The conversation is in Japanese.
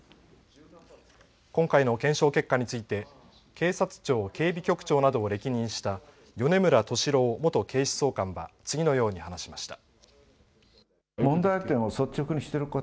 今回の検証結果について警察庁警備局長などを歴任した米村敏朗元警視総監は次のように話しました。